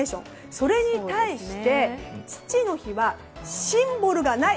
それに対して父の日はシンボルがない。